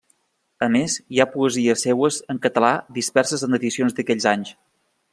A més, hi ha poesies seues en català disperses en edicions d'aquells anys.